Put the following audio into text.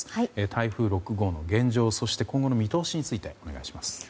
台風６号の現状そして今後の見通しについてお願いします。